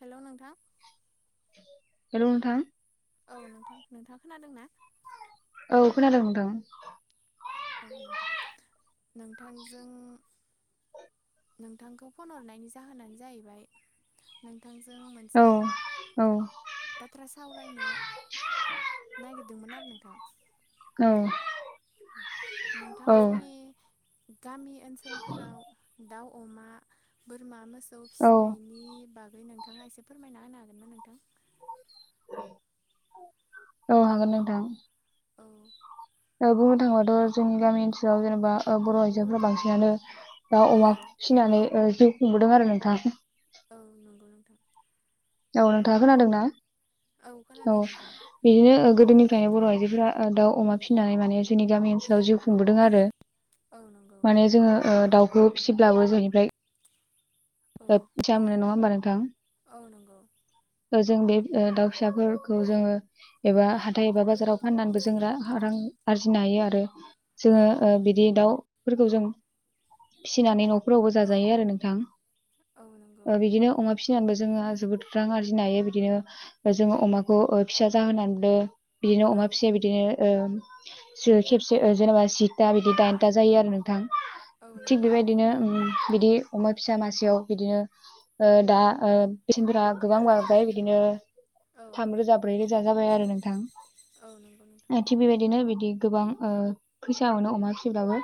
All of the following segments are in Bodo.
हेल' नोंथां। हेल' नोंथां। औ नोंथां, नोंथांआ खोनादों ना? औ खोनादों नोंथां। औ नोंथां, नोंथांजों नोंथांखौ फन हरनायनि जाहोनानो जाहैबाय नों थांजों औ मोनसे बाथ्रा सावरायनो नागिरदोंमोन आरो नोंथां। औ औ नोंथांमोननि गामि ओनसोलफोराव दाउ, अमा, बोरमा, मोसौ औ फिसिनायनि बा गै नोंथाङा एसे फोरमायना होनो हागोनना नोंथां? औ हागोन नोंथां। औ ओ बुंनो थाङोबाथ' जोंनि गामि ओनसोलाव जेनेबा ओ बर' आइजोफोरा बांसिनानो दाउ, अमा औ फिसिनानै ओ जिउ खुंबोदों आरो नोंथां। औ नंगौ नोंथां। औ नोंथाङा खोनादों ना? औ खोनादों नोंथां बिदिनो गोदोनिफ्रायनो बर' आइजोफोरा ओ दाउ, अमा फिनानै माने जोंनि गामि ओनसोलाव जिउ खुंबोदों आरो। औ नंगौ माने जोङो ओ दाउखौ फिसिब्लाबो जोंनिफ्राय औ [unintelligible] नङा होमबा नोंथां? औ नंगौ। जों बे ओ दाउ फिसाफोरखौ जोङो एबा हाथाय एबा बाजाराव फाननानैबो जों रा रां आरजिनो हायो आरो औ जोङो ओ नंगौ बिदि नोंथां दाउफोरखौ जों फिसिनानै न' फोरावबो औ जाजायो आरो नोंथां औ नंगौ ओ बिदिनो अमा फिसिनानैबो जोंङो जोबोद रां आरजि नो हायो बिदिनो जोङो अमाखौ ओ फिसा जाहोनानैबो बिदिनो औ अमा फिसाया बिदिनो ओ जो खेबसे ओ जेनेबा जिथा बिदि दाइनथा जायो आरो नोंथां। औ थिग नंगौ बेबायदिनो ओम बिदि अमा फिसा मासेयाव बिदिनो ओ दा ओ औ पेसेन्टफोरा गोबां बायबाय बिदिनो औ थामरोजा ब्रै रोजा जाबाय आरो नोंथां औ नंगौ नोंथां ओ थिग बेबायदिनो बिदि गोबां ओ फैसा मोनो अमा फिसिब्लाबो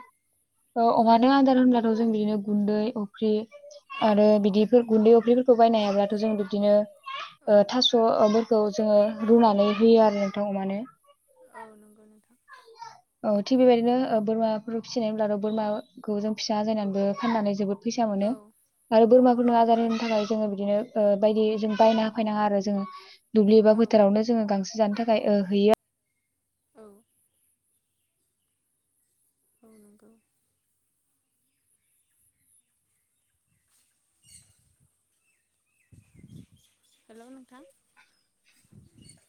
ओ औ अमानो नंगौ आदार होनब्लाथ' जों बिदिनो गुन्दै, अफ्रि औ आरो बिदिफोर गुन्दै अफ्रिफोरखौ बायनो हायाब्लाथ' जों बिदिनो औ ओ थास'फोरखौ जोङो रुनानै होयो आरो नोंथां अमानो। औ नंगौ नोंथां। ओ थिग बेबायदिनो ओ बोरमाफोर फिसिनाय होनब्लाथ' बोरमाखौ जों फिसा आजायनानैबो फाननानै जोबोद फैसा मोनो औ आरो औ बोरमाफोरनो नंगौ आदार नोंथां होनो थाखाय जोङो बिदिनो ओ बायदि जों बायना होफायनाङा आरो जोङो दुब्लि एबा औ नंगौ बोथोरावनो जोङो गांसो जानो था खाय ओ हैैया औ। औ नोंगौ। [inaudible] हेलौ नोंथां।